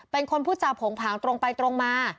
เป็นคนพูดจาโผงผางตรงไปตรงมา